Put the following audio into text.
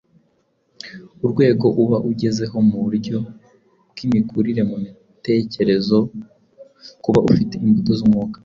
urwego uba ugezeho mu buryo bw’imikurire mu bitekerezo, kuba ufite imbuto z’umwuka,